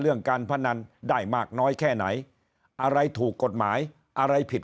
การพนันได้มากน้อยแค่ไหนอะไรถูกกฎหมายอะไรผิด